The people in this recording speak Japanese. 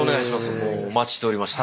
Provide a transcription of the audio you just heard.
お待ちしておりました。